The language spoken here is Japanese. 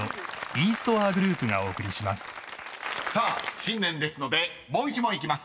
［新年ですのでもう１問いきます。